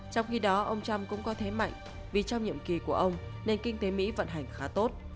trong khi đó ông trump cũng có thế mạnh vì trong nhiệm kỳ của ông nền kinh tế mỹ vận hành khá tốt